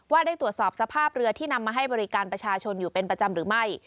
ได้ตรวจสอบสภาพเรือที่นำมาให้บริการประชาชนอยู่เป็นประจำหรือไม่